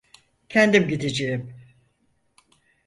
Kendim gideceğim.